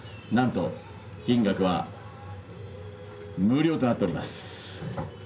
なんと金額は無料となっております。